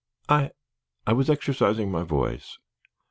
"I I was exercising my voice."